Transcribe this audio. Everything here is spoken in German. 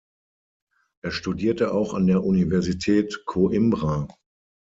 Er studierte auch an der Universität Coimbra.